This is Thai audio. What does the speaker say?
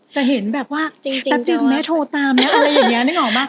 จะเห็นแบบว่าจริงจริงแม่โทรตามเนี้ยอะไรอย่างเงี้ยนึงออกไหม